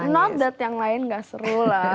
not that yang lain gak seru lah